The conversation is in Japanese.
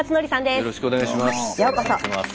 よろしくお願いします。